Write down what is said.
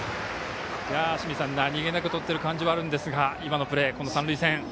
何気なくとっている感じがあるんですが今のプレー、三塁線。